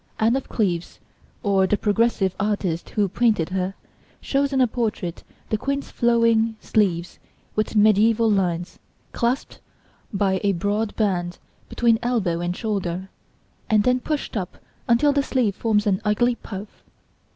Anne of Cleves, or the progressive artist who painted her, shows in a portrait the Queen's flowing sleeves with mediæval lines, clasped by a broad band between elbow and shoulder, and then pushed up until the sleeve forms an ugly puff.